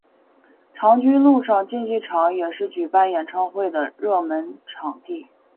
长居陆上竞技场也是举办演唱会的热门场地。